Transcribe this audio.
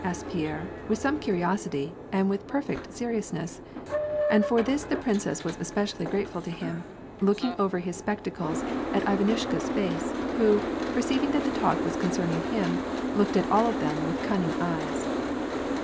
" asked Pierre, with some cariosity and with perfect seriousness — and for this the princess was especially grateful to him — looking over his spectacles at Ivanushka's face, who, perceiiring that the talk was concerning him, looked at all of them with cunning eyes.